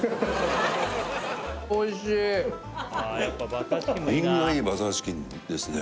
おいしい品がいいバターチキンですね